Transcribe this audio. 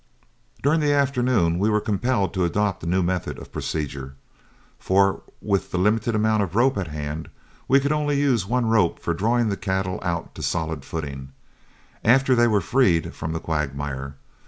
During the afternoon we were compelled to adopt a new mode of procedure, for with the limited amount of rope at hand, we could only use one rope for drawing the cattle out to solid footing, after they were freed from the quagmire.